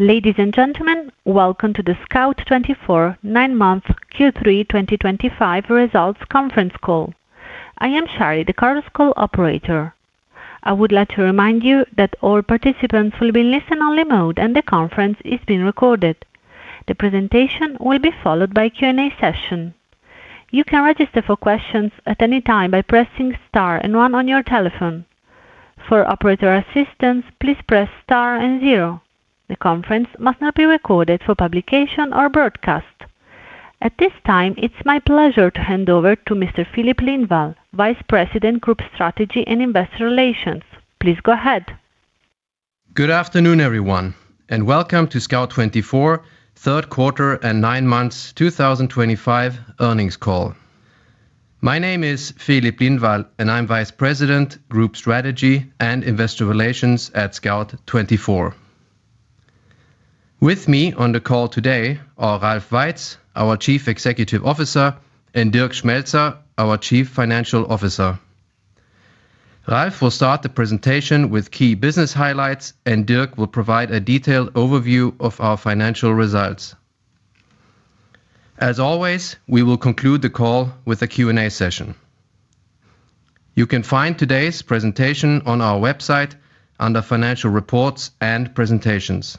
Ladies and gentlemen, welcome to the Scout24 nine month Q3 2025 results conference call. I am Shari, the Chorus Call operator. I would like to remind you that all participants will be in listen-only mode and the conference is being recorded. The presentation will be followed by a Q&A session. You can register for questions at any time by pressing star and one on your telephone. For operator assistance, please press star and zero. The conference must not be recorded for publication or broadcast at this time. It's my pleasure to hand over to Mr. Filip Lindvall, Vice President, Group Strategy and Investor Relations. Please go ahead. Good afternoon everyone and welcome to Scout24 third quarter and nine months 2025 earnings call. My name is Filip Lindvall and I'm Vice President Group Strategy and Investor Relations at Scout24. With me on the call today are Ralf Weitz, our Chief Executive Officer, and Dirk Schmelzer, our Chief Financial Officer. Ralf will start the presentation with key business highlights, and Dirk will provide a detailed overview of our financial results. As always, we will conclude the call with a Q&A session. You can find today's presentation on our website under Financial Reports and Presentations.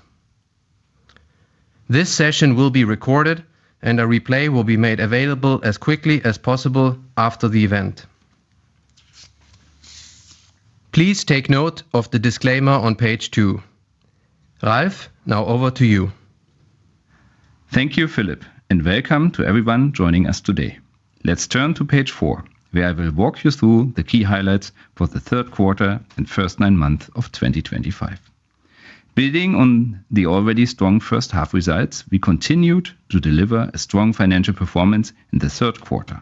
This session will be recorded, and a replay will be made available as quickly as possible after the event. Please take note of the disclaimer on page two. Ralf. Now over to you. Thank you, Filip, and welcome to everyone joining us today. Let's turn to page four where I will walk you through the key highlights for the third quarter and first nine months of 2025. Building on the already strong first half results, we continued to deliver a strong financial performance in the third quarter.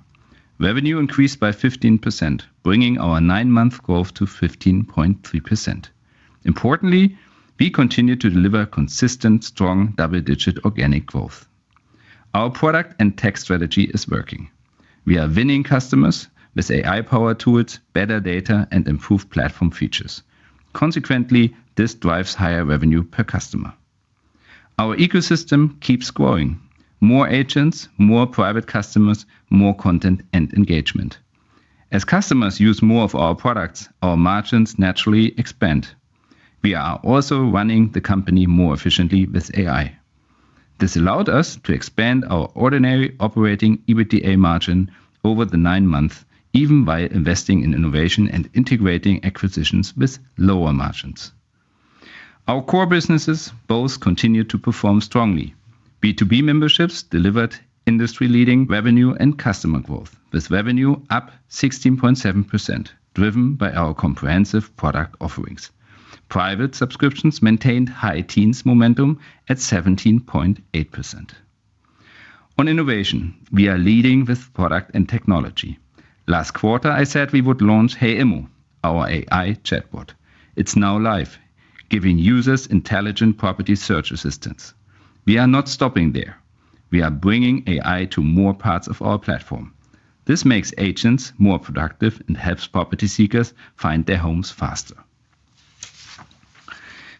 Revenue increased by 15%, bringing our nine month growth to 15.3%. Importantly, we continue to deliver consistent strong double digit organic growth. Our product and tech strategy is working. We are winning customers with AI powered tools, better data, and improved platform features. Consequently, this drives higher revenue per customer. Our ecosystem keeps growing: more agents, more private customers, more content, and engagement. As customers use more of our products, our margins naturally expand. We are also running the company more efficiently with AI. This allowed us to expand our ordinary operating EBITDA margin over the nine months. Even by investing in innovation and integrating acquisitions with lower margins, our core businesses both continue to perform strongly. B2B memberships delivered industry leading revenue and customer growth, with revenue up 16.7% driven by our comprehensive product offerings. Private subscriptions maintained high teens momentum at 17.8%. On innovation, we are leading with product and technology. Last quarter I said we would launch HeyImmo, our AI chatbot. It's now live, giving users intelligent property search assistance. We are not stopping there; we are bringing AI to more parts of our platform. This makes agents more productive and helps property seekers find their homes faster.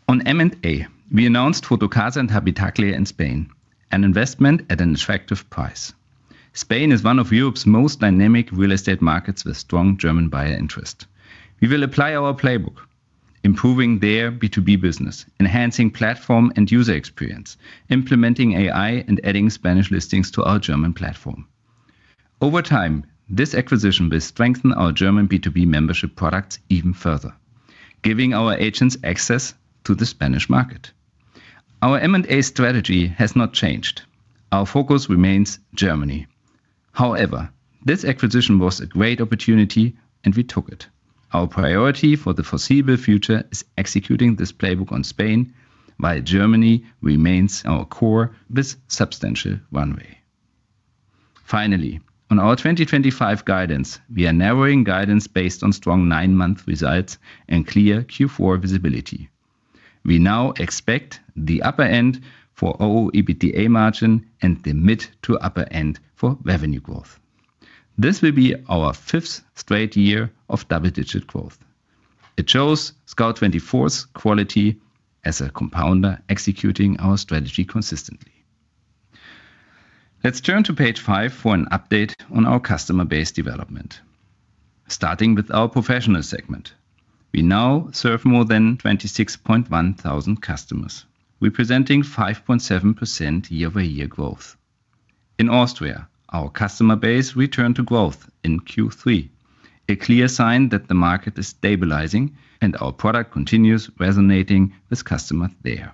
On M&A, we announced Fotocasa and Habitaclia in Spain, an investment at an attractive price. Spain is one of Europe's most dynamic real estate markets with strong German buyer interest. We will apply our playbook, improving their B2B business, enhancing platform and user experience, implementing AI, and adding Spanish listings to our German platform. Over time, this acquisition will strengthen our German B2B membership products even further, giving our agents access to the Spanish market. Our M&A strategy has not changed. Our focus remains Germany. However, this acquisition was a great opportunity for us and we took it. Our priority for the foreseeable future is executing this playbook on Spain while Germany remains our core with substantial runway. Finally, on our 2025 guidance, we are narrowing guidance based on strong nine-month results and clear Q4 visibility. We now expect the upper end for OEBITDA margin and the mid to upper end for revenue growth. This will be our fifth straight year of double-digit growth. It shows Scout24's quality as a compounder, executing our strategy consistently. Let's turn to page five for an update on our customer base development. Starting with our professional segment, we now serve more than 26.1 thousand customers, representing 5.7% year-over-year growth. In Austria, our customer base returned to growth in Q3, a clear sign that the market is stabilizing and our product continues resonating with customers there.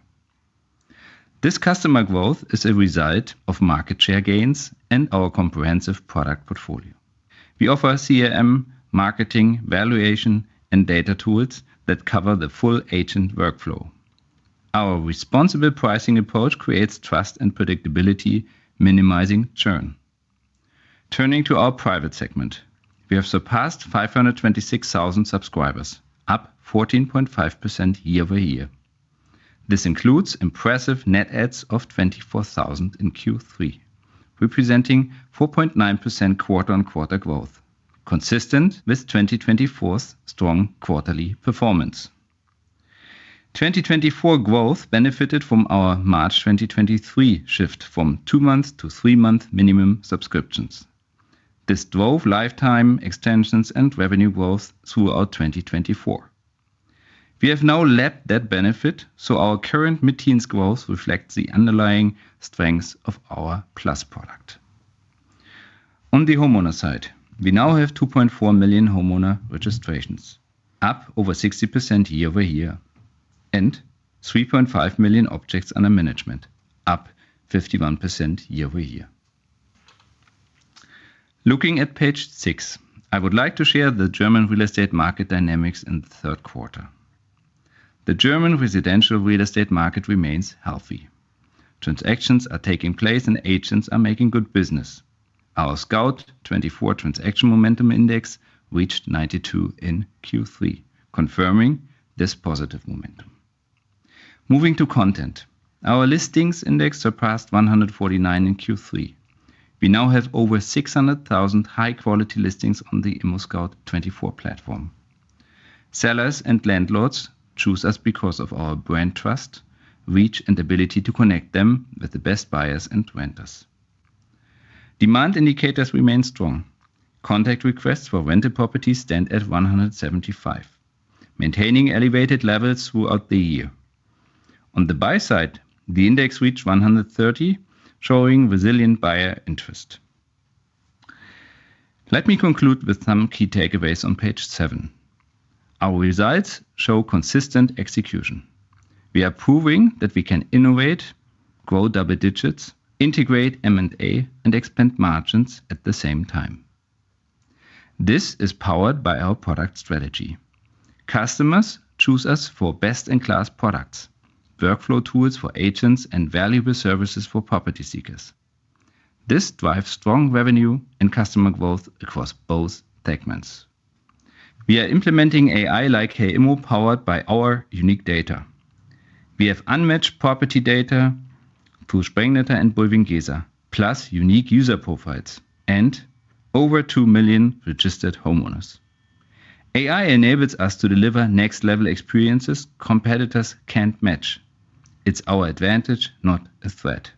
This customer growth is a result of market share gains and our comprehensive product portfolio. We offer CRM, marketing, valuation, and data tools that cover the full agent workflow. Our responsible pricing approach creates trust and predictability, minimizing churn. Turning to our private segment, we have surpassed 526,000 subscribers, up 14.5% year-over-year. This includes impressive net adds of 24,000 in Q3, representing 4.9% quarter-on-quarter growth. Consistent with 2024's strong quarterly performance, 2024 growth benefited from our March 2023 shift from two-month to three-month minimum subscriptions. This drove lifetime extensions and revenue growth throughout 2024. We have now lapped that benefit, so our current mid-teens growth reflects the underlying strength of our Plus product. On the homeowner side, we now have 2.4 million homeowner registrations, up over 60% year-over-year, and 3.5 million objects under management, up 51% year-over-year. Looking at page six, I would like to share the German real estate market dynamics. In the third quarter, the German residential real estate market remains healthy. Transactions are taking place and agents are making good business. Our Scout24 transaction Momentum Index reached 92 in Q3, confirming this positive momentum. Moving to content, our listings index surpassed 149 in Q3. We now have over 600,000 high-quality listings on the ImmoScout24 platform. Sellers and landlords choose us because of our brand trust, reach, and ability to connect them with the best buyers and renters. Demand indicators remain strong. Contact requests for rental properties stand at 175, maintaining elevated levels throughout the year. On the buy side, the index reached 130, showing resilient buyer interest. Let me conclude with some key takeaways on page seven. Our results show consistent execution. We are proving that we can innovate, grow double digits, integrate M&A, and expand margins at the same time. This is powered by our product strategy. Customers choose us for best-in-class products, workflow tools for agents, and valuable services for property seekers. This drives strong revenue and customer growth across both segments. We are implementing AI like HeyImmo, powered by our unique data. We have unmatched property data, Push-Benachrichtigungen and bulwiengesa, plus unique user profiles and over 2 million registered homeowners. AI enables us to deliver next-level experiences competitors can't match. It's our advantage, not a threat.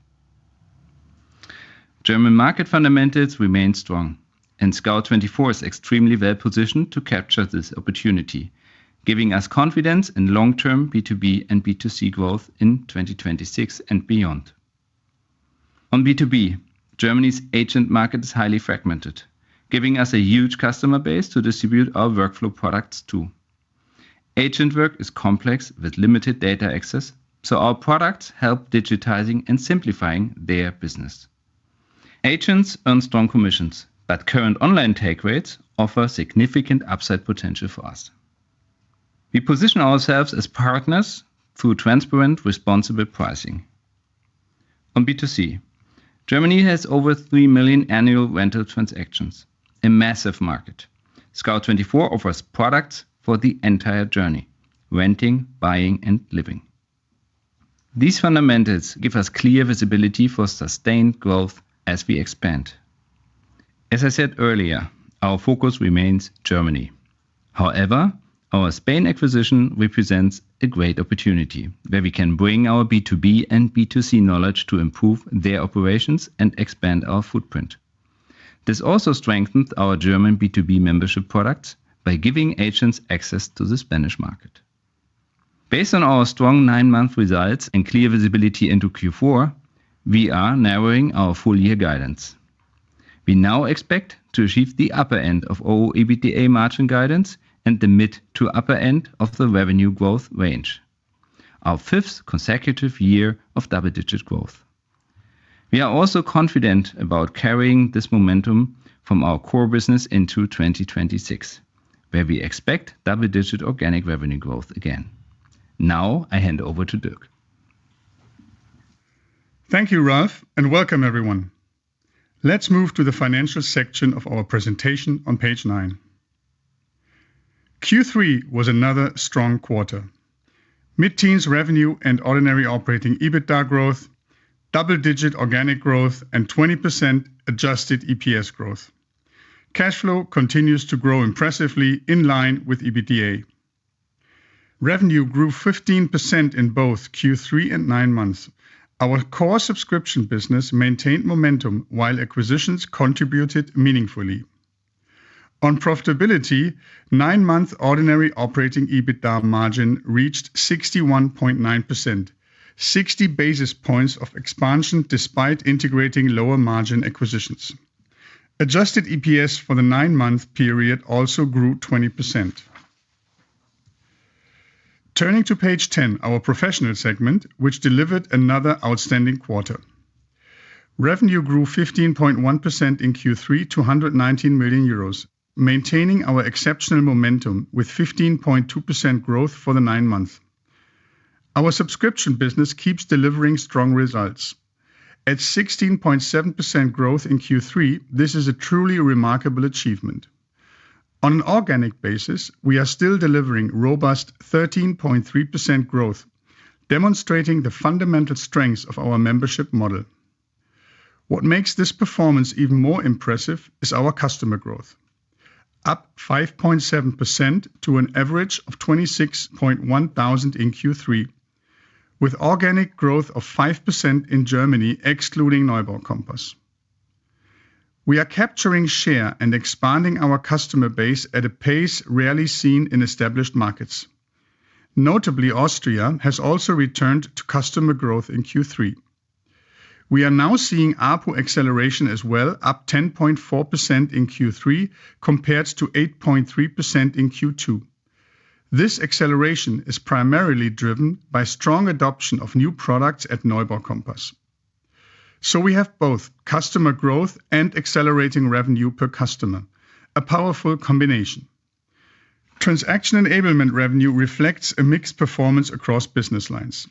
German market fundamentals remain strong, and Scout24 is extremely well positioned to capture this opportunity, giving us confidence in long-term B2B and B2C growth in 2026 and beyond. On B2B, Germany's agent market is highly fragmented, giving us a huge customer base to distribute our workflow products to. Agent work is complex with limited data access, so our products help digitize and simplify their business. Agents earn strong commissions, but current online take rates offer significant upside potential for us. We position ourselves as partners through transparent, responsible pricing. On B2C, Germany has over 3 million annual rental transactions. A massive market, Scout24 offers products for the entire journey: renting, buying, and living. These fundamentals give us clear visibility for sustained growth as we expand. As I said earlier, our focus remains Germany. However, our Spain acquisition represents a great opportunity where we can bring our B2B and B2C knowledge to improve their operations and expand our footprint. This also strengthens our German B2B membership products by giving agents access to the Spanish market. Based on our strong nine-month results and clear visibility into Q4, we are narrowing our full-year guidance. We now expect to achieve the upper end of OEBITDA margin guidance and the mid to upper end of the revenue growth range. Our fifth consecutive year of double-digit growth. We are also confident about carrying this momentum from our core business into 2026, where we expect double-digit organic revenue growth again. Now I hand over to Dirk. Thank you Ralf and welcome everyone. Let's move to the financial section of our presentation on page nine. Q3 was another strong quarter. Mid teens revenue and ordinary operating EBITDA growth, double digit organic growth and 20% adjusted EPS growth. Cash flow continues to grow impressively in line with EBITDA. Revenue grew 15% in both Q3 and nine months. Our core subscription business maintained momentum while acquisitions contributed meaningfully on profitability. Nine month ordinary operating EBITDA margin reached 61.9%, 60 basis points of expansion. Despite integrating lower margin acquisitions, adjusted EPS for the nine month period also grew 20%. Turning to page 10, our professional segment, which delivered another outstanding quarter, revenue grew 15.1% in Q3 to 119 million euros. Maintaining our exceptional momentum with 15.2% growth for the nine months. Our subscription business keeps delivering strong results at 16.7% growth in Q3. This is a truly remarkable achievement. On an organic basis, we are still delivering robust 13.3% growth, demonstrating the fundamental strengths of our membership model. What makes this performance even more impressive is our customer growth, up from 5.7% to an average of 26.1 thousand in Q3. With organic growth of 5% in Germany excluding neubau kompass, we are capturing share and expanding our customer base at a pace rarely seen in established markets. Notably, Austria has also returned to customer growth in Q3. We are now seeing ARPU acceleration as well, up 10.4% in Q3 compared to 8.3% in Q2. This acceleration is primarily driven by strong adoption of new products at neubau kompass. We have both customer growth and accelerating revenue per customer, a powerful combination. Transaction enablement revenue reflects a mixed performance across business lines.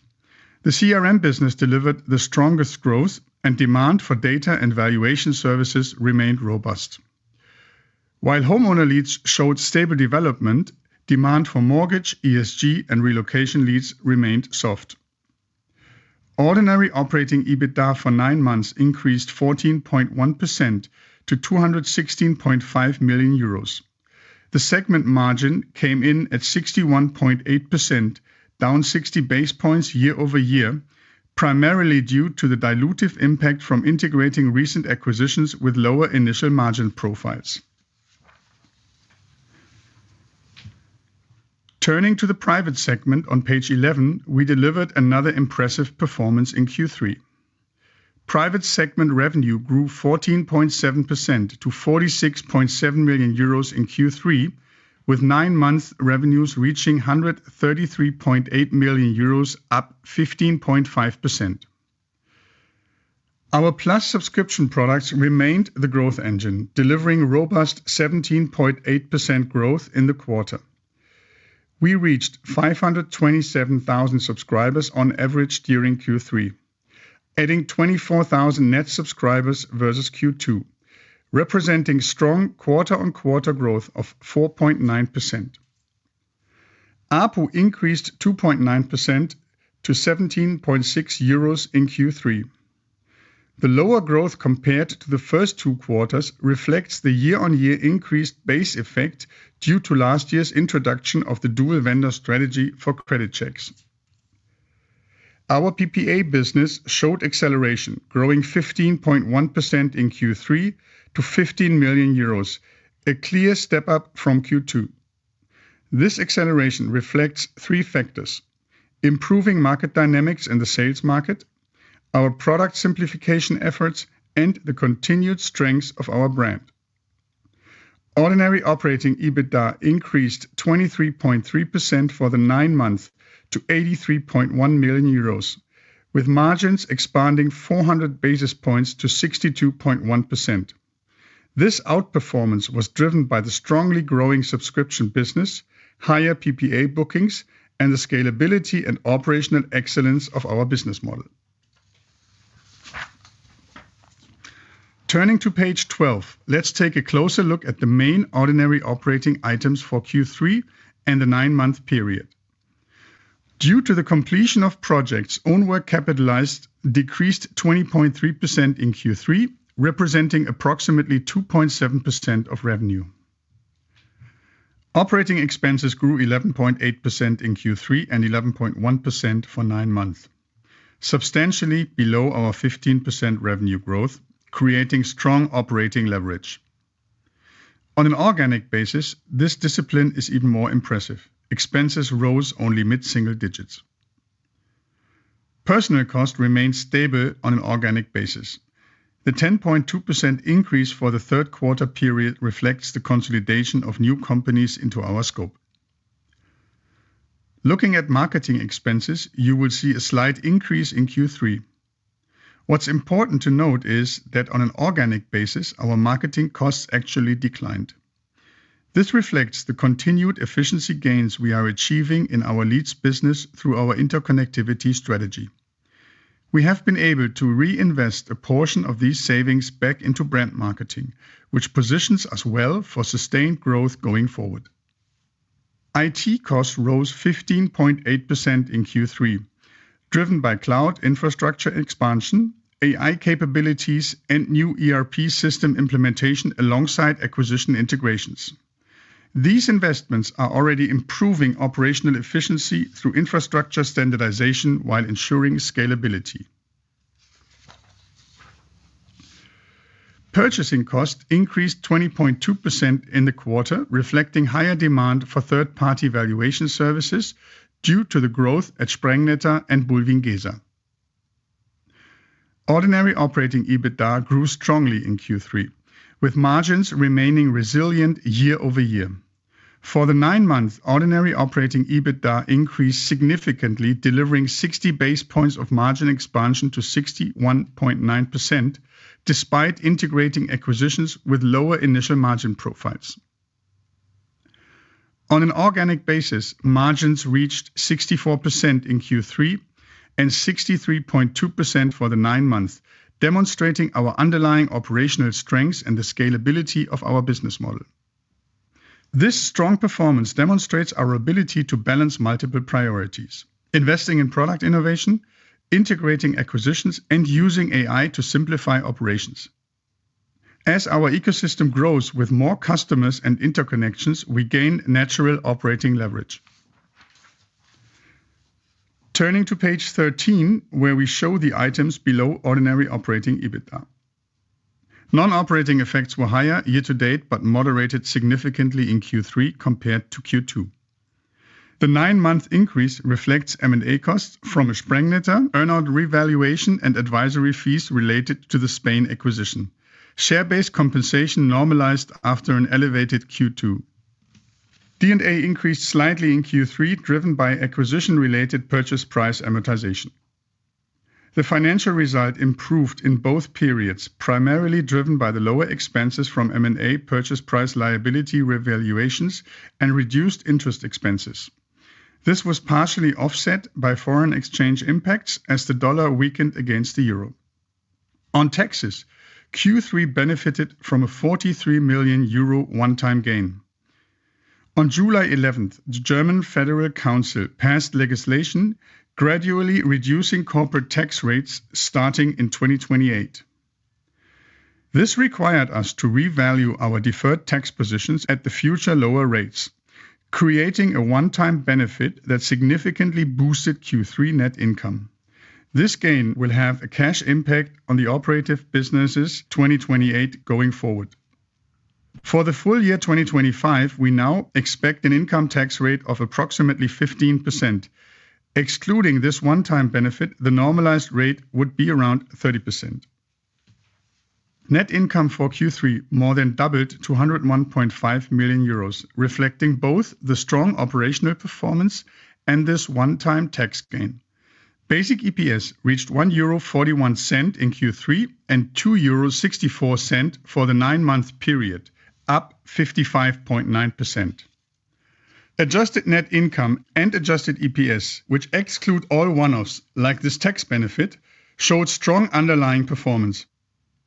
The CRM business delivered the strongest growth and demand for data and valuation services remained robust while homeowner leads showed stable development. Demand for mortgage, ESG, and relocation lease remained soft. Ordinary operating EBITDA for nine months increased 14.1% to 216.5 million euros. The segment margin came in at 61.8%, down 60 basis points year over year, primarily due to the dilutive impact from integrating recent acquisitions with lower initial margin profiles. Turning to the Private segment on page 11, we delivered another impressive performance in Q3. Private segment revenue grew 14.7% to 46.7 million euros in Q3, with nine month revenues reaching 133.8 million euros, up 15.5%. Our Plus subscription products remained the growth engine, delivering robust 17.8% growth in the quarter. We reached 527,000 subscribers on average during Q3, adding 24,000 net subscribers versus Q2, representing strong quarter-on-quarter growth of 4.9%. ARPU increased 2.9% to 17.6 euros in Q3. The lower growth compared to the first two quarters reflects the year-on-year increased base effect due to last year's introduction of the dual vendor strategy for credit checks. Our PPA business showed acceleration, growing 15.1% in Q3 to 15 million euros, a clear step up from Q2. This acceleration reflects three improving market dynamics in the sales market, our product simplification efforts, and the continued strength of our brand. Ordinary operating EBITDA increased 23.3% for the nine months to 83.1 million euros, with margins expanding 400 basis points to 62.1%. This outperformance was driven by the strongly growing subscription business, higher PPA bookings, and the scalability and operational excellence of our business model. Turning to page 12, let's take a closer look at the main ordinary operating items for Q3 and the nine month period. Due to the completion of projects, own work capitalized decreased 20.3% in Q3, representing approximately 2.7% of revenue. Operating expenses grew 11.8% in Q3 and 11.1% for nine months, substantially below our 15% revenue growth, creating strong operating leverage on an organic basis. This discipline is even more impressive. Expenses rose only mid single digits. Personnel cost remains stable on an organic basis. The 10.2% increase for the third quarter period reflects the consolidation of new companies into our scope. Looking at marketing expenses, you will see a slight increase in Q3. What's important to note is that on an organic basis, our marketing costs actually declined. This reflects the continued efficiency gains we are achieving in our leads business. Through our interconnectivity strategy, we have been able to reinvest a portion of these savings back into brand marketing, which positions us well for sustained growth going forward. IT costs rose 15.8% in Q3, driven by cloud infrastructure expansion, AI capabilities, and new ERP system implementation alongside acquisition integrations. These investments are already improving operational efficiency through infrastructure standardization while ensuring scalability. Purchasing cost increased 20.2% in the quarter, reflecting higher demand for third-party valuation services due to the growth at Sprengnetter and Bulwiengesa. Ordinary operating EBITDA grew strongly in Q3 with margins remaining resilient year over year. For the nine-month ordinary operating EBITDA increased significantly, delivering 60 basis points of margin expansion to 61.9% despite integrating acquisitions with lower initial margin profiles. On an organic basis, margins reached 64% in Q3 and 63.2% for the nine months, demonstrating our underlying operational strengths and the scalability of our business model. This strong performance demonstrates our ability to balance multiple investing in product innovation, integrating acquisitions, and using AI to simplify operations. As our ecosystem grows with more customers and interconnections, we gain natural operating leverage. Turning to page 13 where we show the items below ordinary operating EBITDA, non-operating effects were higher year to date but moderated significantly in Q3 compared to Q2. The nine-month increase reflects M&A costs from a Sprengnetter earnout revaluation and advisory fees related to the Spain acquisition. Share-based compensation normalized after an elevated Q2. D&A increased slightly in Q3, driven by acquisition-related purchase price amortization. The financial result improved in both periods, primarily driven by the lower expenses from M&A purchase price liability revaluations and reduced interest expenses. This was partially offset by foreign exchange impacts as the dollar weakened against the euro. On taxes, Q3 benefited from a 43 million euro one-time gain. On July 11, the German Federal Council passed legislation gradually reducing corporate tax rates starting in 2028. This required us to revalue our deferred tax positions at the future lower rates, creating a one-time benefit that significantly boosted Q3 net income. This gain will have a cash impact on the operative businesses. From 2028 going forward, for the full year 2025 we now expect an income tax rate of approximately 15%. Excluding this one-time benefit, the normalized rate would be around 30%. Net income for Q3 more than doubled to 101.5 million euros, reflecting both the strong operating performance and this one-time tax gain. Basic EPS reached 1.41 euro in Q3 and 2.64 euro for the nine-month period, up 55.9%. Adjusted net income and adjusted EPS, which exclude all one-offs like this tax benefit, showed strong underlying performance.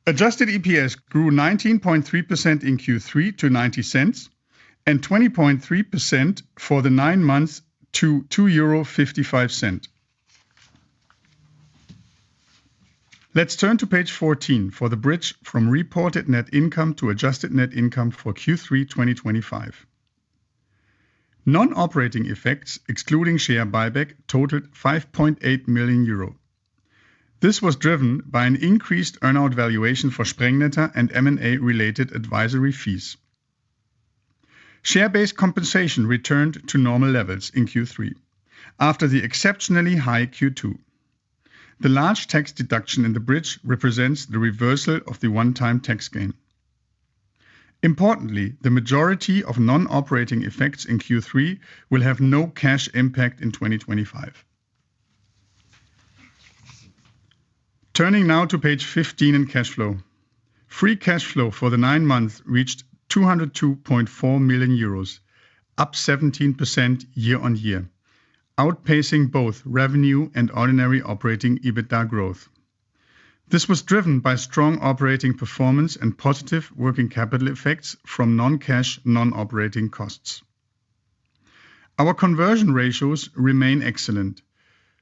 Adjusted EPS grew 19.3% in Q3 to 0.90 and 20.3% for the nine months to 2.55 euro. Let's turn to page 14 for the bridge from reported net income to adjusted net income for Q3 2025. Non-operating effects excluding share buybacks totaled 5.8 million euro. This was driven by an increased earnout valuation for Sprengnetter and M&A related advisory fees. Share-based compensation returned to normal levels in Q3 after the exceptionally high Q2. The large tax deduction in the bridge represents the reversal of the one-time tax gain. Importantly, the majority of non-operating effects in Q3 will have no cash impact in 2025. Turning now to page 15 in cash flow, free cash flow for the nine months reached 202.4 million euros, up 17% year on year, outpacing both revenue and ordinary operating EBITDA growth. This was driven by strong operating performance and positive working capital effects from non-cash non-operating costs. Our conversion ratios remain excellent.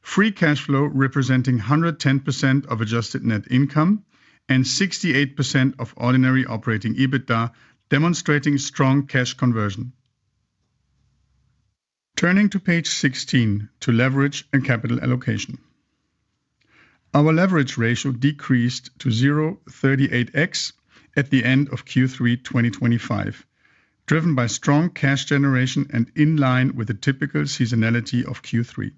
Free cash flow representing 110% of adjusted net income and 68% of ordinary operating EBITDA, demonstrating strong cash conversion. Turning to page 16 to leverage and capital allocation, our leverage ratio decreased to 0.38x at the end of Q3 2025, driven by strong cash generation and in line with the typical seasonality of Q3.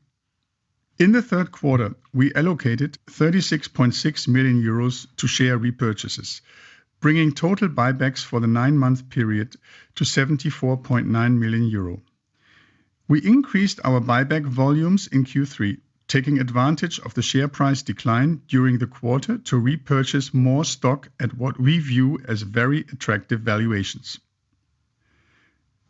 In the third quarter, we allocated 36.6 million euros to share repurchases, bringing total buybacks for the nine-month period to 74.9 million euro. We increased our buyback volumes in Q3, taking advantage of the share price decline during the quarter to repurchase more stock at what we view as very attractive valuations.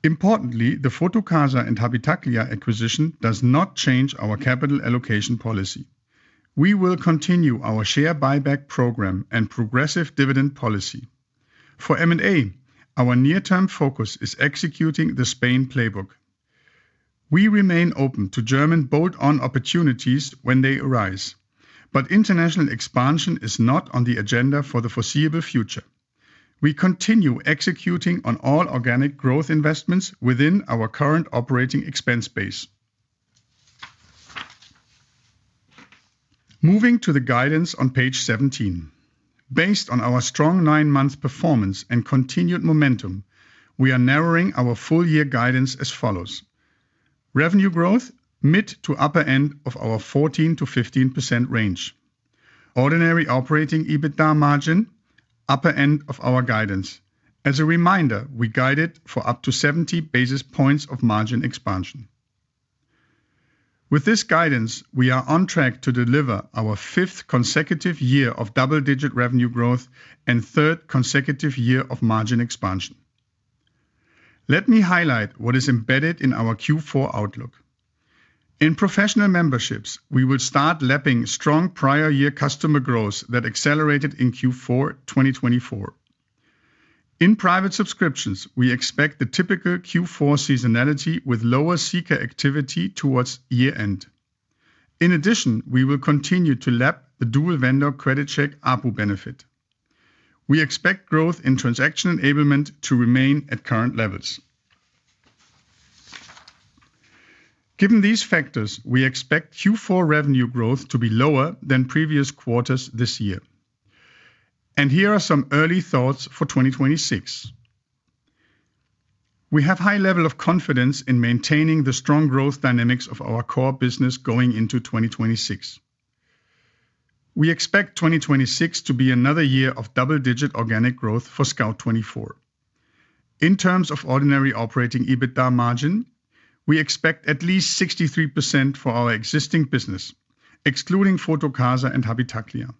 Importantly, the Fotocasa and Habitaclia acquisition does not change our capital allocation policy. We will continue our share buyback program and progressive dividend policy for now. Our near-term focus is executing the Spain playbook. We remain open to German bolt-on opportunities when they arise, but international expansion is not on the agenda for the foreseeable future. We continue executing on all organic growth investments within our current operating expense base. Moving to the guidance on page 17, based on our strong nine month performance and continued momentum, we are narrowing our full year guidance as revenue growth mid to upper end of our 14%-15% range, ordinary operating EBITDA margin upper end of our guidance. As a reminder, we guided for up to 70 basis points of margin expansion. With this guidance, we are on track to deliver our fifth consecutive year of double digit revenue growth and third consecutive year of margin expansion. Let me highlight what is embedded in our Q4 outlook. In professional memberships, we will start lapping strong prior year customer growth that accelerated in Q4 2024. In private subscriptions, we expect the typical Q4 seasonality with lower seeker activity towards. In addition, we will continue to lap the dual vendor credit check ARPU benefit. We expect growth in transaction enablement to remain at current levels. Given these factors, we expect Q4 revenue growth to be lower than previous quarters this year, and here are some early thoughts for 2026. We have high level of confidence in maintaining the strong growth dynamics of our core business going into 2026. We expect 2026 to be another year of double digit organic growth for Scout24. In terms of ordinary operating EBITDA margin, we expect at least 63% for our existing business excluding Fotocasa and Habitaclia.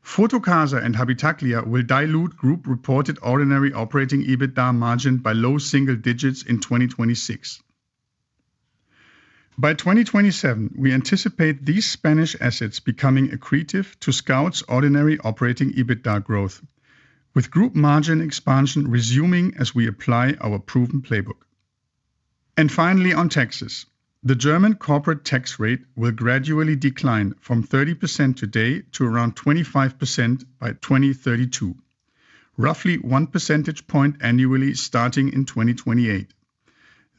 Fotocasa and Habitaclia will dilute group reported ordinary operating EBITDA margin by low single digits in 2026. By 2027, we anticipate these Spanish assets becoming accretive to Scout24's ordinary operating EBITDA growth with group margin expansion resuming as we apply our proven playbook. Finally, on taxes, the German corporate tax rate will gradually decline from 30% today to around 25% by 2032, roughly 1 percentage point annually starting in 2028.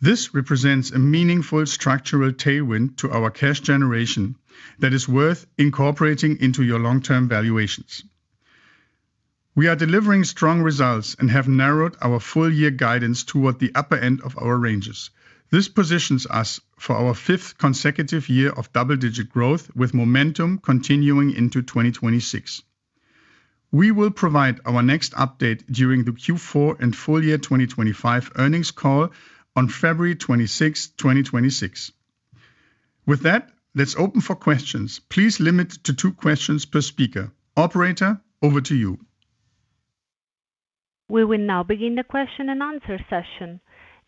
This represents a meaningful structural tailwind to our cash generation that is worth incorporating into your long term valuations. We are delivering strong results and have narrowed our full year guidance toward the upper end of our ranges. This positions us for our fifth consecutive year of double digit growth with momentum continuing into 2026. We will provide our next update during the Q4 and full year 2025 earnings call on February 26th, 2026. With that, let's open for questions. Please limit to 2 questions per speaker. Operator, over to you. We will now begin the question and answer session.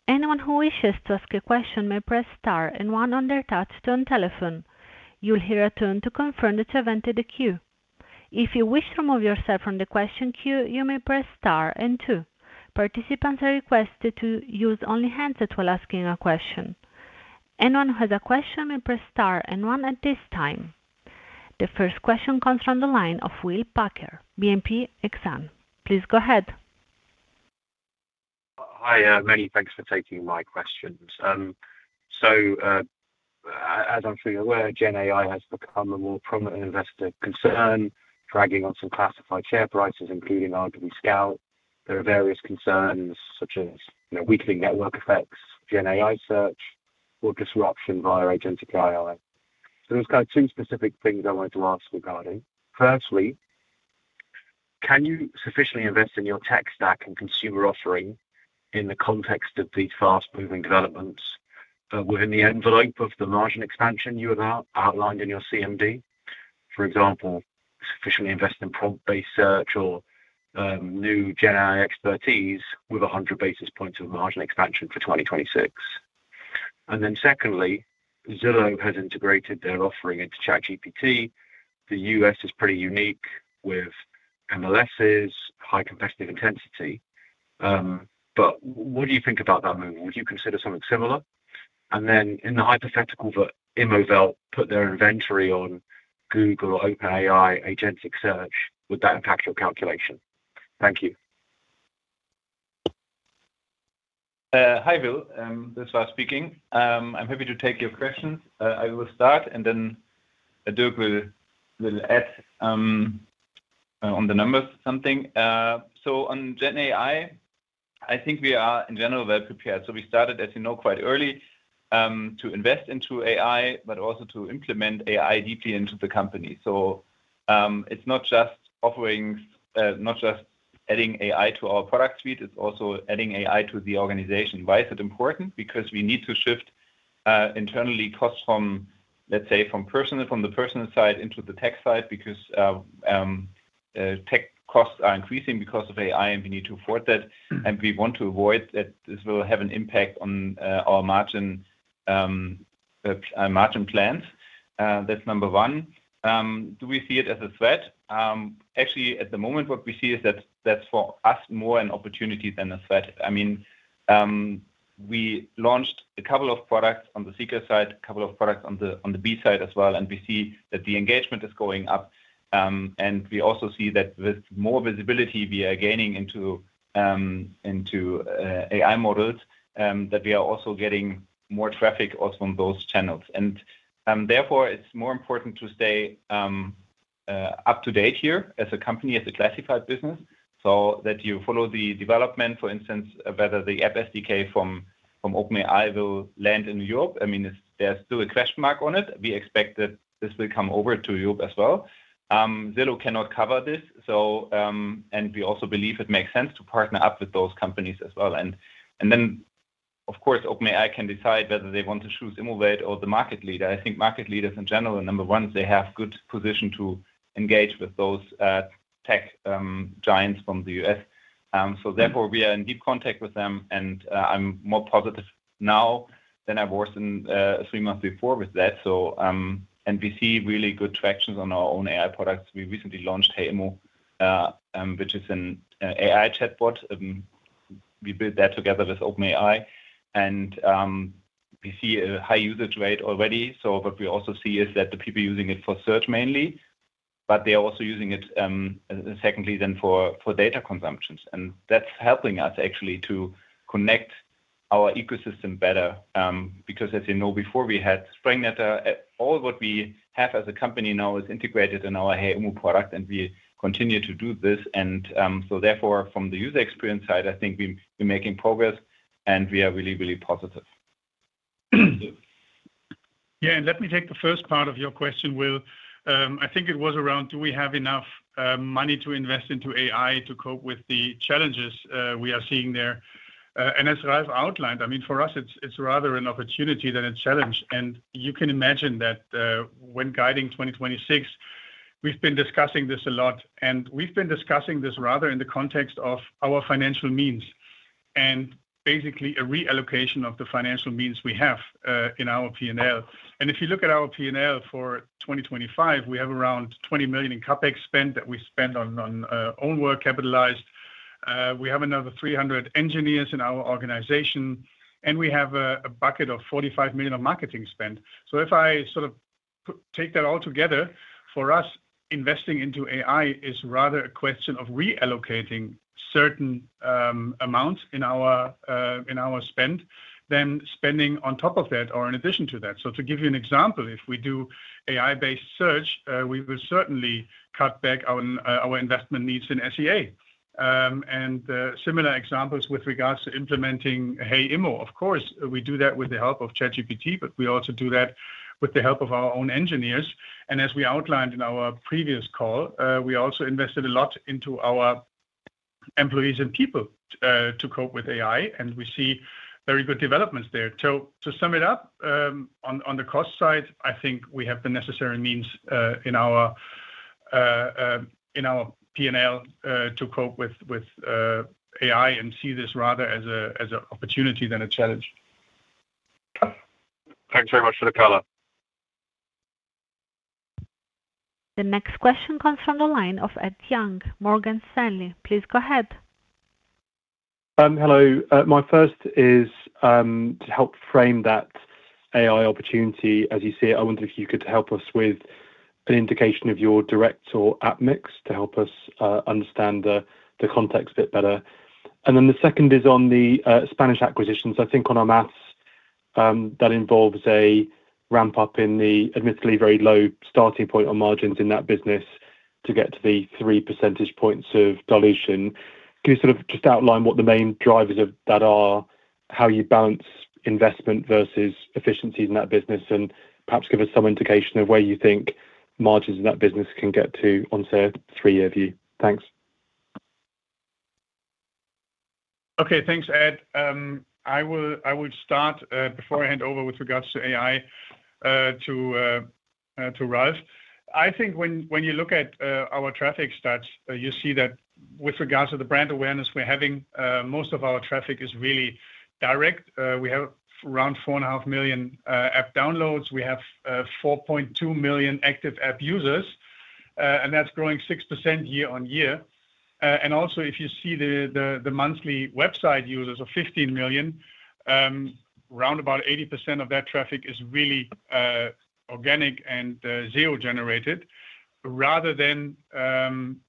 Anyone who wishes to ask a question may press star and one on their touchtone telephone. You will hear a tone to confirm that you have entered the queue. If you wish to remove yourself from the question queue, you may press star and two. Participants are requested to use only handsets while asking a question. Anyone who has a question may press star and one at this time. The first question comes from the line of Will Packer, BNP Exane. Please go ahead. Hi, many thanks for taking my questions. As I'm sure you're aware, GenAI has become a more prominent investor concern, dragging on some classified share prices including Scout24. There are various concerns such as weakening network effects, GenAI search, or disruption via Agentic AI. There are two specific things I wanted to ask regarding this. Firstly, can you sufficiently invest in your tech stack and consumer offering in the context of these fast-moving developments within the envelope of the margin expansion you have outlined in your CMD? For example, sufficiently invested in prompt-based search or new GenAI expertise with 100 basis points of margin expansion for 2026. Secondly, Zillow has integrated their offering into ChatGPT. The U.S. is pretty unique with MLS's high competitive intensity. What do you think about that movement? Would you consider something similar? In the hypothetical that Immowelt put their inventory on Google or OpenAI agentic search, would that impact your calculation? Thank you. Hi Will. This is Ralf speaking. I'm happy to take your questions. I will start and then Dirk will add on the numbers or something. On Gen AI, I think we are in general well prepared. We started, as you know, quite early to invest into AI, but also to implement AI deeply into the company. It's not just offerings, not just adding AI to our product suite, it's also adding AI to the organization. Why is it important? We need to shift internally costs from, let's say, from personnel, from the personnel side into the tech side because tech costs are increasing because of AI and we need to afford that and we want to avoid that. This will have an impact on our margin plans. That's number one. Do we see it as a threat? Actually, at the moment what we see is that that's for us more an opportunity than a threat. I mean, we launched a couple of products on the seeker side, a couple of products on the B side as well. We see that the engagement is going up. We also see that with more visibility we are gaining into AI models, we are also getting more traffic also on those channels. Therefore, it's more important to stay up to date here as a company, as a classified business, so that you follow the development. For instance, whether the App SDK from OpenAI will land in Europe, there's still a question mark on it. We expect that this will come over to Europe as well. Zillow cannot cover this. We also believe it makes sense to partner up with those companies as well. Of course, OpenAI can decide whether they want to choose Immowelt or the market leader. I think market leaders in general, number one, they have good position to engage with those tech giants from the U.S. Therefore, we are in deep contact with them. I'm more positive now than I was three months before with that and we see really good traction on our own AI products. We recently launched HeyImmo, which is an AI chatbot. We built that together with OpenAI and we see a high usage rate already. What we also see is that the people are using it for search mainly, but they are also using it secondly for data consumption. That's helping us actually to connect our ecosystem better because, as you know, before we had Sprengnetter, all what we have as a company now is integrated in our HeyImmo product and we continue to do this. Therefore, from the user experience side, I think we're making progress and we are really, really positive. Yeah, let me take the first part of your question, Will. I think it was around do we have enough money to invest into AI to cope with the challenges we are seeing there? As Ralf outlined, for us it's rather an opportunity than a challenge. You can imagine that when guiding 2026, we've been discussing this a lot and we've been discussing this rather in the context of our financial means and basically a reallocation of the financial means we have in our P&L. If you look at our P&L for 2025, we have around 20 million in CapEx spent that we spend on own work capitalized, we have another 300 engineers in our organization, and we have a bucket of 45 million of marketing spend. If I sort of take that all together, for us, investing into AI is rather a question of reallocating certain amounts in our spend than spending on top of that or in addition to that. To give you an example, if we do AI-based search, we will certainly cut back our investment needs in SEA and similar examples with regards to implementing HeyImmo. Of course, we do that with the help of ChatGPT, but we also do that with the help of our own engineers. As we outlined in our previous call, we also invested a lot into our employees and people to cope with AI and we see very good developments there. To sum it up on the cost side, I think we have the necessary means in our P&L to cope with AI and see this rather as an opportunity than a challenge. Thanks very much for the color. The next question comes from the line of Ed Young, Morgan Stanley. Please go ahead. Hello. My first is to help frame that AI opportunity as you see it. I wonder if you could help us with an indication of your direct or AT mix to help us understand the context a bit better. The second is on the Spanish acquisitions. I think on our maths that involves a ramp up in the admittedly very low starting point on margins in that business to get to the 3% of dilution. Can you sort of just outline what the main drivers of that are, how you balance investment versus efficiencies in that business, and perhaps give us some indication of where you think margins in that business can get to on, say, a three year view. Thanks. Okay, thanks Ed. I will start before I hand over. With regards to AI to Ralf, I think when you look at our traffic stats, you see that with regards to the brand awareness we're having, most of our traffic is really direct. We have around 4.5 million app downloads, we have 4.2 million active app users and that's growing 6% year on year. Also, if you see the monthly website users of 15 million, around 80% of that traffic is really organic and zero generated rather than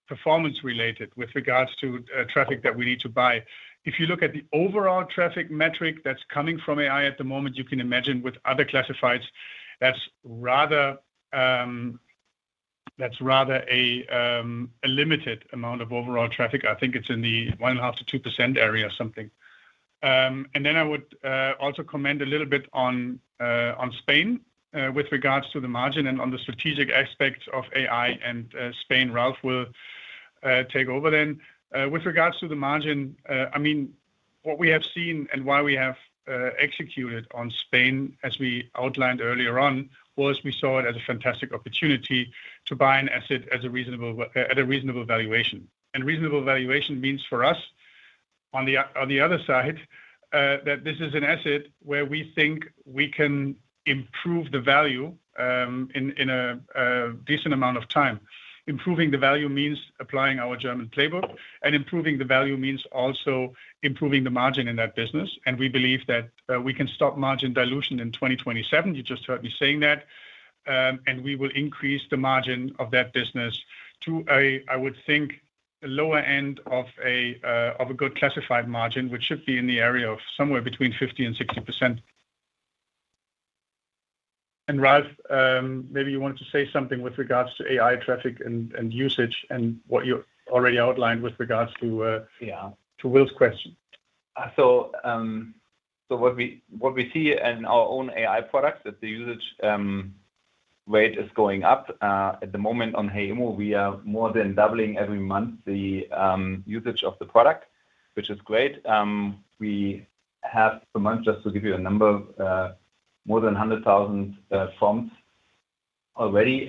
performance related with regards to traffic that we need to buy. If you look at the overall traffic metric that's coming from AI at the moment, you can imagine with other classifieds, that's rather a limited amount of overall traffic. I think it's in the 1.5%-2% area or something. I would also comment a little bit on Spain with regards to the margin and on the strategic aspects of AI and Spain. Ralf will take over then. With regards to the margin, what we have seen and why we have executed on Spain, as we outlined earlier on, was we saw it as a fantastic opportunity to buy an asset at a reasonable valuation. Reasonable valuation means for us on the other side that this is an asset where we think we can improve the value in a decent amount of time. Improving the value means applying our German playbook. Improving the value means also improving the margin in that business. We believe that we can stop margin dilution in 2027. You just heard me saying that. We will increase the margin of that business to a, I would think, lower end of a good classified margin, which should be in the area of somewhere between 50% and 60%. Ralf, maybe you wanted to say something with regards to AI traffic and usage and what you already outlined with regards to Will's question. What we see in our own AI products is that the usage rate is going up at the moment on HeyImmo. We are more than doubling every month the usage of the product, which is great. We have a month, just to give you a number, more than 100,000 forms already.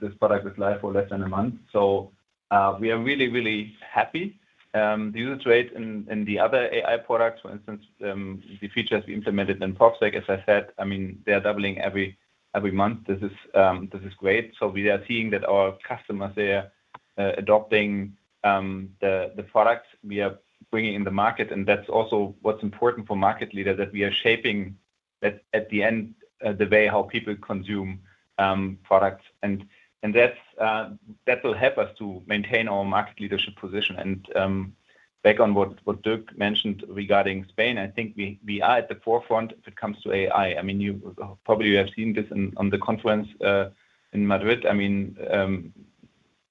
This product is live for less than a month. We are really, really happy. The user trade and the other AI products, for instance, the features we implemented in PropTech, as I said, they are doubling every month. This is great. We are seeing that our customers are adopting the products we are bringing in the market, and that's also what's important for a market leader, that we are shaping at the end the way how people consume products, and that will help us to maintain our market leadership position. Back on what Dirk mentioned regarding Spain, I think we are at the forefront if it comes to AI. Probably you have seen this at the conference in Madrid.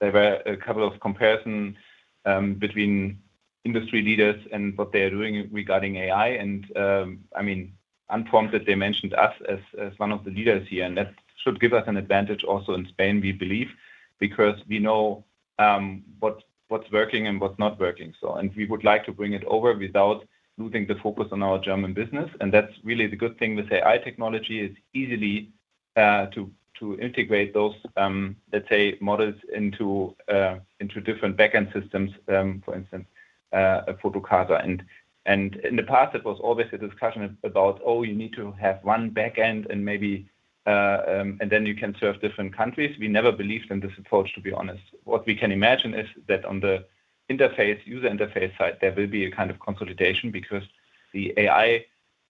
There were a couple of comparisons between industry leaders and what they are doing regarding AI, and I am informed that they mentioned us as one of the leaders here, and that should give us an advantage. Also in Spain, we believe, because we know what's working and what's not working, and we would like to bring it over without losing the focus on our German business. That's really the good thing with AI technology. It is easy to integrate those, let's say, models into different back end systems, for instance. In the past, it was always a discussion about, oh, you need to have one back end, and maybe then you can serve different countries. We never believed in this approach, to be honest. What we can imagine is that on the user interface side, there will be a kind of consolidation because the AI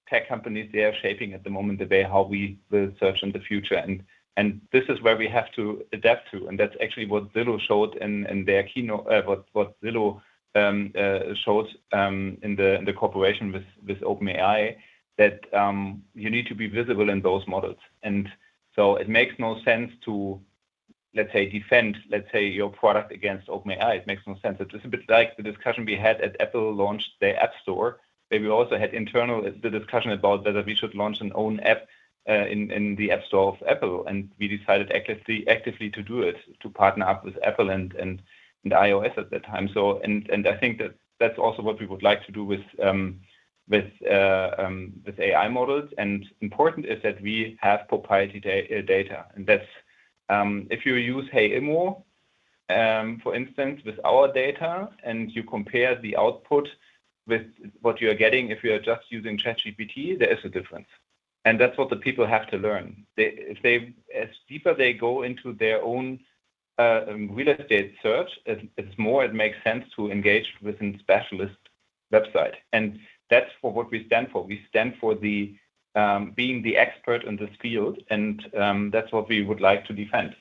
tech companies are shaping at the moment the way how we will search in the future. This is where we have to adapt to, and that's actually what Zillow showed in the cooperation with OpenAI, that you need to be visible in those models. It makes no sense to, let's say, defend your product against OpenAI. It makes no sense. It is a bit like the discussion we had when Apple launched their app store. Maybe we also had internally the discussion about whether we should launch our own app in the app store of Apple, and we decided actively to do it, to partner up with Apple and iOS at that time. I think that that's also what we would like to do with AI models. Important is that we have proprietary data, and if you use HeyImmo for instance with our data and you compare the output with what you are getting if you are just using ChatGPT, there is a difference. That's what the people have to learn as deeper they go into their own real estate search. It makes sense to engage with a specialist website, and that's what we stand for. We stand for being the expert in this field, and that's what we would like to defend.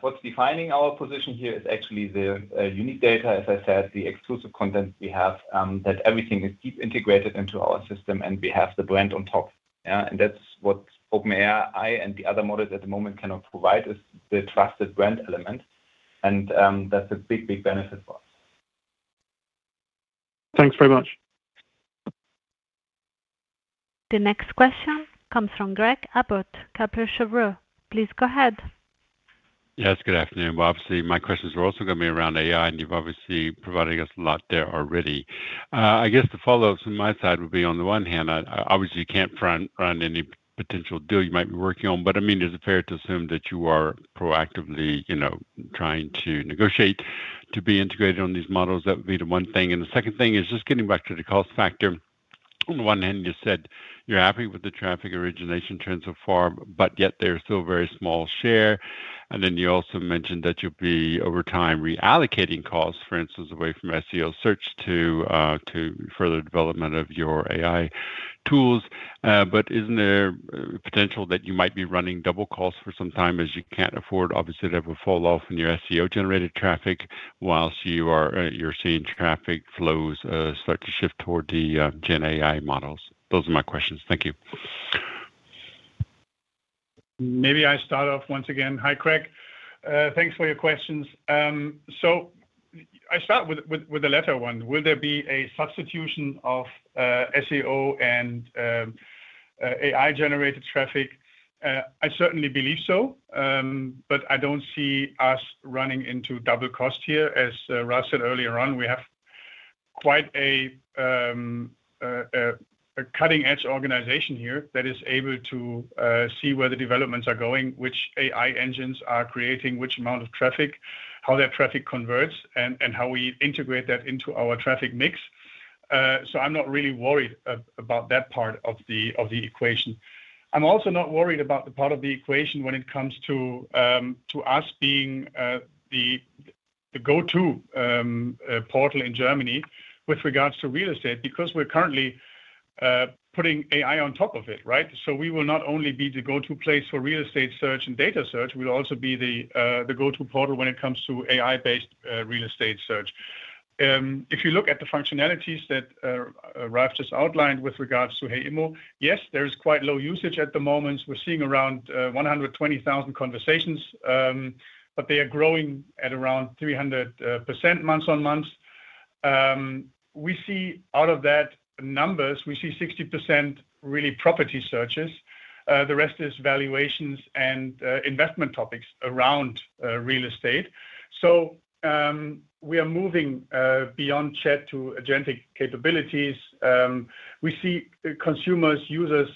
What's defining our position here is actually the unique data, as I said, the exclusive content we have, that everything is deep integrated into our system, and we have the brand on top of it. That's what OpenAI and the other models at the moment cannot provide, the trusted brand element. That's a big, big benefit for us. Thanks very much. The next question comes from Craig Abbott, Kepler Cheuvreux. Please go ahead. Yes, good afternoon. Obviously, my questions are also going to be around AI and you've obviously provided us a lot there already. I guess the follow-ups from my side would be, on the one hand, obviously you can't front run any particular potential deal you might be working on, but I mean is it fair to assume that you are proactively, you know, trying to negotiate to be integrated on these models? That would be the one thing. The second thing is just getting back to the cost factor. On the one hand, you said you're happy with the traffic origination trend so far, but yet there's still a very small share. You also mentioned that you'll be over time reallocating costs, for instance, away from SEO search to further development of your AI tools. Isn't there potential that you might be running dual cost for some time as you can't afford? Obviously, that will fall off in your SEO generated traffic whilst you're seeing traffic flows start to shift toward the gen AI models. Those are my questions. Thank you. Maybe I start off once again. Hi Craig, thanks for your questions. I start with the latter one. Will there be a substitution of SEO and AI-generated traffic? I certainly believe so, but I don't see us running into double cost here. As Ralf said earlier on, we have quite a cutting-edge organization here that is able to see where the developments are going, which AI engines are creating which amount of traffic, how their traffic converts, and how we integrate that into our traffic mix. I'm not really worried about that part of the equation. I'm also not worried about the part of the equation when it comes to us being the go-to portal in Germany with regards to real estate because we're currently putting AI on top of it. We will not only be the go-to place for real estate search and data search, we will also be the go-to portal when it comes to AI-based real estate search. If you look at the functionalities that Ralf just outlined with regards to HeyImmo, yes, there is quite low usage at the moment. We're seeing around 120,000 conversations, but they are growing at around 300% month on month. Out of those numbers, we see 60% really property searches, the rest is valuations and investment topics around real estate. We are moving beyond chat to agentic capabilities. We see consumers, users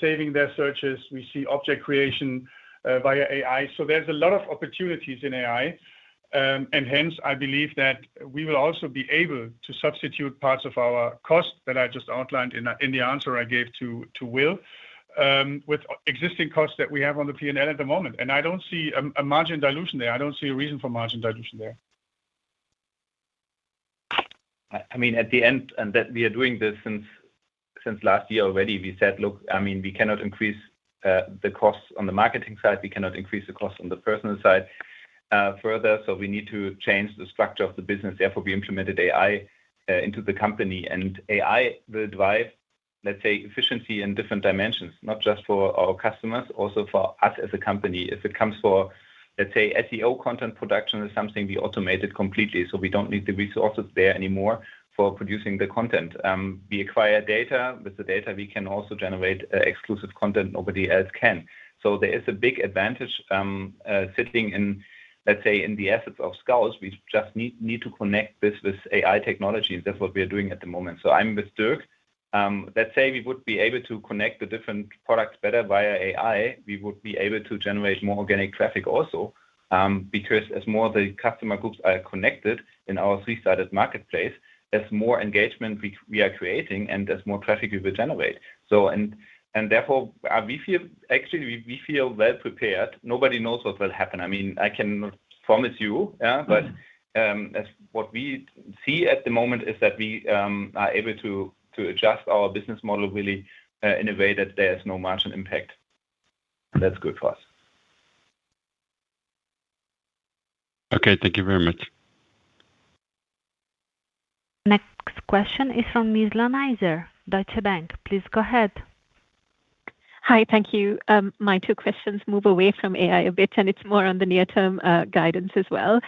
saving their searches, we see object creation via AI. There's a lot of opportunities in AI. Hence, I believe that we will also be able to substitute parts of our cost that I just outlined in the answer I gave to Will with existing costs that we have on the P&L at the moment. I don't see a margin dilution there. I don't see a reason for margin dilution. There's. I mean, at the end, and that we are doing this since last year already, we said, look, I mean, we cannot increase the costs on the marketing side, we cannot increase the cost on the personnel side further. We need to change the structure of the business. Therefore, we implemented AI into the company, and AI will drive, let's say, efficiency in different dimensions. Not just for our customers, also for us as a company, if it comes to, say, SEO. Content production is something we automated completely, so we don't need the resources there anymore for producing the content. We acquire data; with the data, we can also generate exclusive content nobody else can. There is a big advantage sitting in, let's say, in the assets of Scout24. We just need to connect this with AI technology, and that's what we are doing at the moment. I'm with Dirk. Let's say we would be able to connect the different products better via AI. We would be able to generate more organic traffic also because as more of the customer groups are connected in our three-sided marketplace, as more engagement we are creating, and as more traffic we will generate, therefore, actually, we feel well prepared. Nobody knows what will happen, I mean, I can promise you. What we see at the moment is that we are able to adjust our business model really in a way that there is no margin impact. That's good for us. Okay, thank you very much. Next question is from Nizla Naizer, Deutsche Bank. Please go ahead. Hi. Thank you. My two questions move away from AI a bit and it's more on the near-term guidance as well.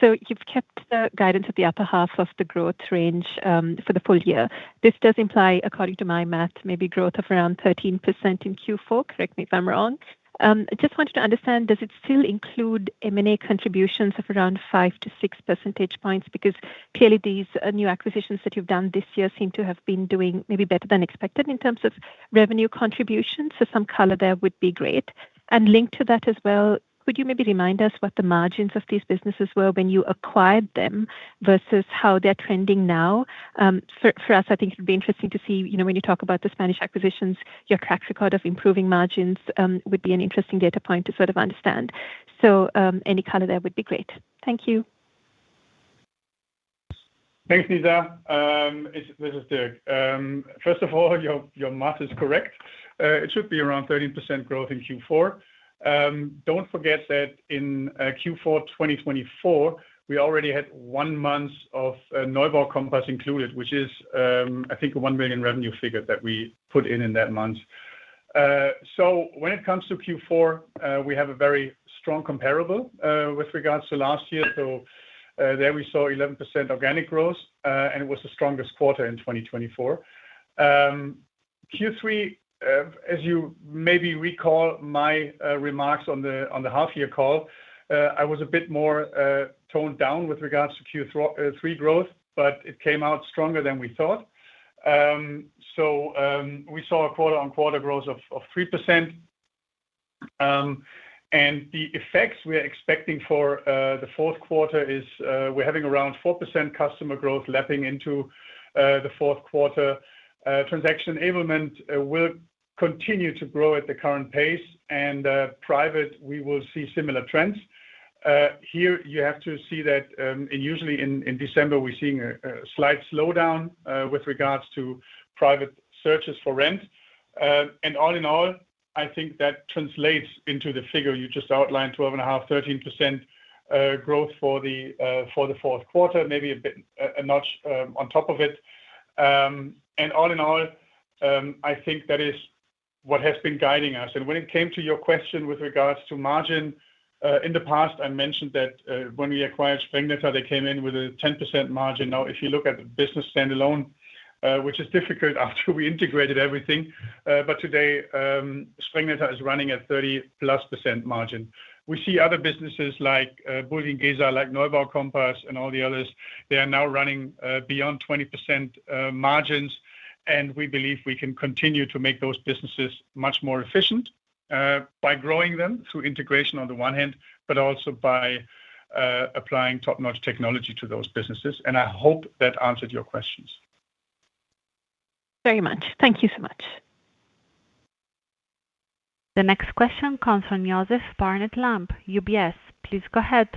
You've kept the guidance at the upper half of the growth range for the full year. This does imply, according to my math, maybe growth of around 13% in Q4. Correct me if I'm wrong, I just wanted to understand, does it still include M&A contributions of around 5%-6%? Clearly, these new acquisitions that you've done this year seem to have been doing maybe better than expected in terms of revenue contributions. Some color there would be great and linked to that as well. Could you maybe remind us what the margins of these businesses were when you acquired them versus how they're trending now? For us, I think it would be interesting to see, you know, when you talk about the Spanish acquisitions, your track record of improving margins would be an interesting data point to sort of understand. Any color there would be great. Thank you. Thanks Naizer, this is Dirk. First of all, your math is correct. It should be around 13% growth in Q4. Don't forget that in Q4 2024, we already had one month of neubau kompass included, which is, I think, a 1 million revenue figure that we put in in that month. When it comes to Q4, we have a very strong comparable with regards to last year. There we saw 11% organic growth, and it was the strongest quarter in 2024. Q3, as you maybe recall from my remarks on the half year call, I was a bit more toned down with regards to Q3 growth, but it came out stronger than we thought. We saw a quarter-on-quarter growth of 3%. The effects we are expecting for the fourth quarter are we're having around 4% customer growth lapping into the fourth quarter. Transaction enablement will continue to grow at the current pace, and private we will see similar trends here. You have to see that usually in December we're seeing a slight slowdown with regards to private searches for rent. All in all, I think that translates into the figure you just outlined, 12.5%, 13% growth for the fourth quarter, maybe a bit, a notch on top of it. All in all, I think that is what has been guiding us. When it came to your question with regards to margin in the past, I mentioned that when we acquired Sprengnetter, they came in with a 10% margin. Now, if you look at the business standalone, which is difficult after we integrated everything, but today Sprengnetter is running at 30%+ margin. We see other businesses like bulwiengesa, like neubau kompass, and all the others, they are now running beyond 20% margins, and we believe we can continue to make those businesses much more efficient by growing them through integration on the one hand, but also by applying top notch technology to those businesses. I hope that answered your questions. Very much, thank you so much. The next question comes from Joseph Barnet-Lamb, UBS. Please go ahead.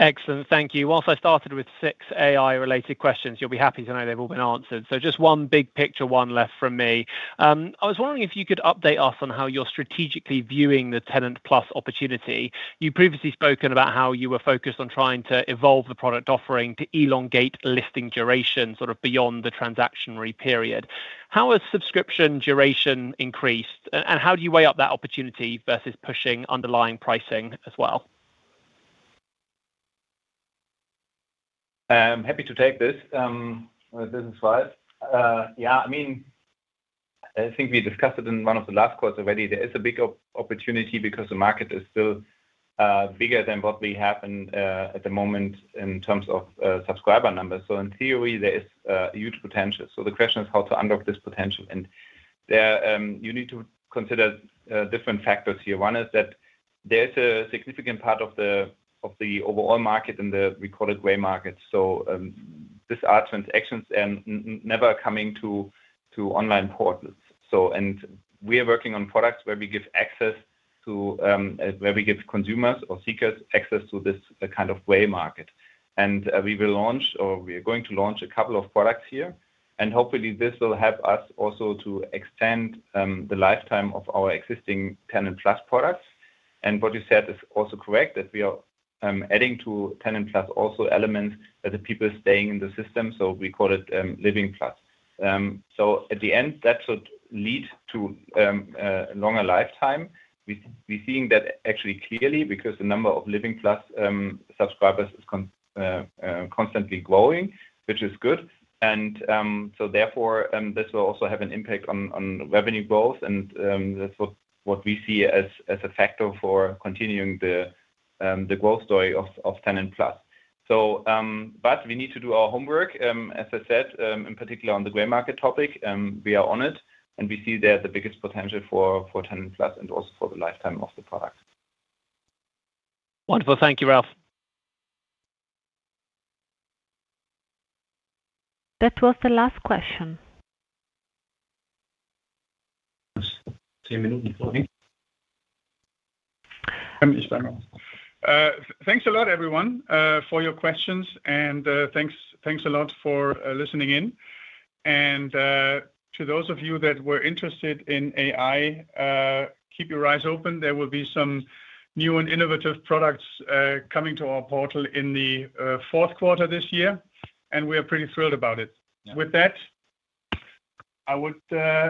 Excellent, thank you. Whilst I started with six AI-related questions, you'll be happy to know they've all been answered. Just one big picture one left from me. I was wondering if you could update us on how you're strategically viewing the TenantPlus opportunity. You previously spoken about how you focused on trying to evolve the product offering to elongate listing duration beyond the transactionary period. How has subscription duration increased, and how do you weigh up that opportunity versus pushing underlying pricing as well? I'm happy to take this business. Yeah. I mean, I think we discussed it in one of the last calls already. There is a big opportunity because the market is still bigger than what we have at the moment in terms of subscriber numbers. In theory there is huge potential. The question is how to unlock this potential. You need to consider different factors here. One is that there is a significant part of the overall market and we call it gray market. These are transactions never coming to online portals. We are working on products where we give access to, where we give consumers or seekers access to this kind of gray market. We will launch or we are going to launch a couple of products here and hopefully this will help us also to extend the lifetime of our existing Tenant Plus products. What you said is also correct that we are adding to Tenant Plus also elements that keep people staying in the system. We call it LivingPlus. At the end that should lead to longer lifetime. We're seeing that actually clearly because the number of LivingPlus subscribers is constantly growing, which is good. Therefore this will also have an impact on revenue growth. That's what we see as a factor for continuing the growth story of TenantPlus. We need to do our homework, as I said, in particular on the gray market topic. We are on it and we see there the biggest potential for TenantPlus and also for the lifetime of the product. Wonderful. Thank you, Ralf. That was the last question. Thanks a lot everyone for your questions, and thanks a lot for listening in. To those of you that were interested in AI, keep your eyes open. There will be some new and innovative products coming to our portal in the fourth quarter this year, and we are pretty thrilled about it. With that, I would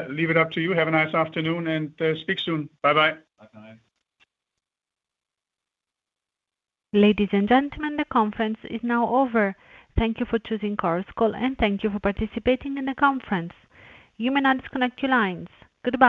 leave it up to you. Have a nice afternoon and speak soon. Bye bye. Ladies and gentlemen, the conference is now over. Thank you for choosing Chorus Call and thank you for participating in the conference. You may now disconnect your lines. Goodbye.